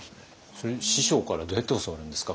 それ師匠からどうやって教わるんですか？